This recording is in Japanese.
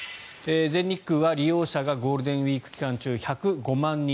全日空は利用者がゴールデンウィーク期間中１０５万人。